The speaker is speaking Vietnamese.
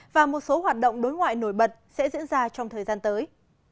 và một số hoạt động đối ngoại nổi bật sẽ diễn ra trong thời gian tới